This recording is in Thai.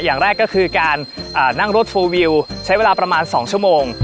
อย่างแรกก็คือการนั่งรถโฟลวิวใช้เวลาประมาณ๒ชั่วโมง